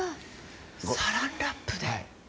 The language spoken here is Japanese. サランラップで。